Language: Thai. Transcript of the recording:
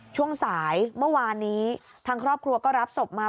ช่วงสายเมื่อวานนี้ทางครอบครัวก็รับศพมา